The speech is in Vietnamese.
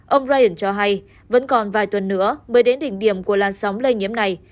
ông rayan cho hay vẫn còn vài tuần nữa mới đến đỉnh điểm của làn sóng lây nhiễm này